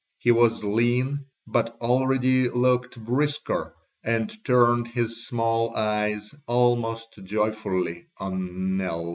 He was lean but already looked brisker and turned his small eyes almost joyfully on Nell.